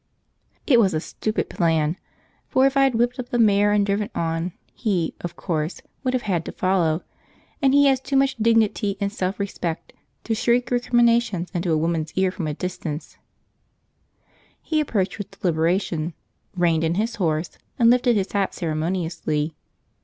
It was a stupid plan, for if I had whipped up the mare and driven on, he of course, would have had to follow, and he has too much dignity and self respect to shriek recriminations into a woman's ear from a distance. {The creature was well mounted: p109.jpg} He approached with deliberation, reined in his horse, and lifted his hat ceremoniously.